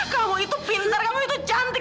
kamu itu pintar kamu itu cantik